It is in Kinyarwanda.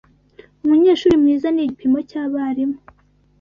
Umunyeshuri mwiza ni igipimo cyabarimu